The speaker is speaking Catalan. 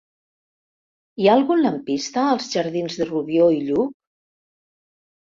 Hi ha algun lampista als jardins de Rubió i Lluch?